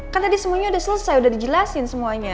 kan tadi semuanya udah selesai udah dijelasin semuanya